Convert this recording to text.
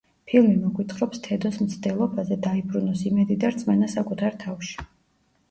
ფილმი მოგვითხრობს თედოს მცდელობაზე, დაიბრუნოს იმედი და რწმენა საკუთარ თავში.